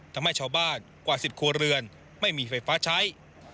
ทำให้ชาวบ้านกว่า๑๐ครัวเรือนไม่มีไฟฟ้าใช้